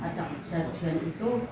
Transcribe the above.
ada kejadian itu